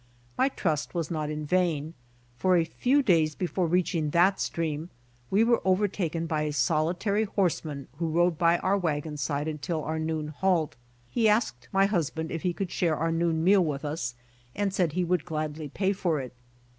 My trust was not in vain, for a few days before reaching that stream we were overtaken by a solitary horseman who rode by our wagon side until our noon halt. He asked my hus band if he could share our noon meal with us, and said he would gladly pay for it.